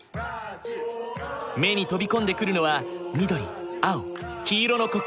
目に飛び込んでくるのは緑青黄色の国旗。